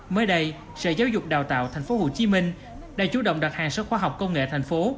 mới đây sở giáo dục đào tạo tp hcm đã chủ động đặt hàng sở khoa học công nghệ tp